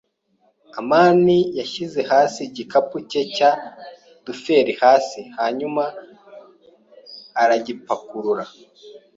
amani yashyize hasi igikapu cye cya duffel hasi, hanyuma aragipakurura.